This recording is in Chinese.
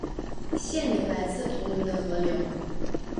县名来自同名的河流。